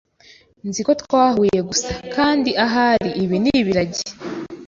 Nzi ko twahuye gusa kandi ahari ibi ni ibiragi